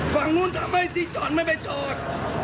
ฝั่งนู้นทำไมที่จอดไม่ไปจอด